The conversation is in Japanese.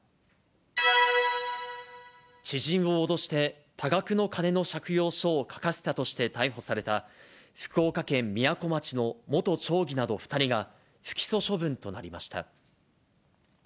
知人を脅して、多額の金の借用書を書かせたとして逮捕された、福岡県みやこ町の元町議など２人が、不起訴処分となりました。